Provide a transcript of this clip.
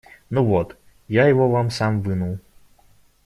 Ну вот, я его вам сам вынул.